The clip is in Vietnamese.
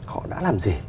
họ đã làm gì